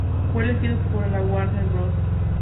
Fue elegido por la Warner Bros.